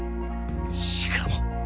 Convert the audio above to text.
しかも。